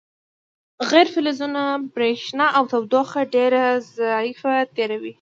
غیر فلزونه برېښنا او تودوخه ډیره ضعیفه تیروي.